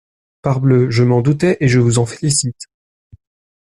Parbleu, je m'en doutais et vous en félicite.